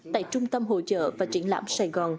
tại trung tâm hỗ trợ và triển lãm sài gòn